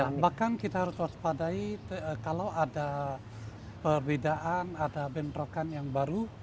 nah bahkan kita harus waspadai kalau ada perbedaan ada bentrokan yang baru